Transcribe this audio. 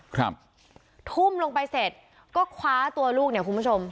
ครับทุ่มลงไปเสร็จก็คว้าตัวลูกเนี่ยคุณผู้ชม